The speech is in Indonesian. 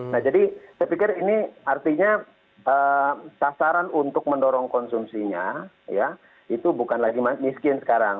nah jadi saya pikir ini artinya sasaran untuk mendorong konsumsinya ya itu bukan lagi miskin sekarang